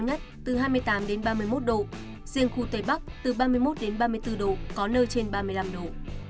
nhiệt độ cao nhất từ hai mươi tám ba mươi một độ riêng khu tây bắc từ ba mươi một ba mươi bốn độ có nơi trên ba mươi năm độ